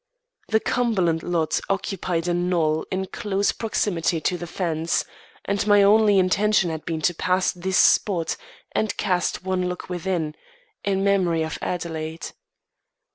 The Cumberland lot occupied a knoll in close proximity to the fence, and my only intention had been to pass this spot and cast one look within, in memory of Adelaide.